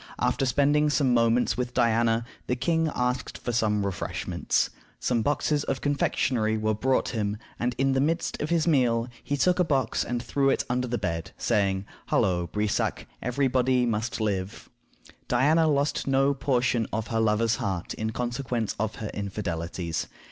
After spending some moments with Diana, the king asked for some refreshments. Some boxes of confectionery were brought him, and in the midst of his meal he took a box and threw it under the bed, saying, "Halloo, Brissac, every body must live!" Diana lost no portion of her lover's heart in consequence of her infidelities.